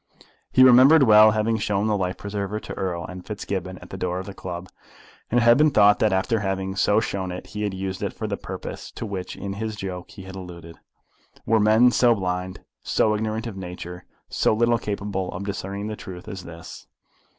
He remembered well having shown the life preserver to Erle and Fitzgibbon at the door of the club; and it had been thought that after having so shown it he had used it for the purpose to which in his joke he had alluded! Were men so blind, so ignorant of nature, so little capable of discerning the truth as this?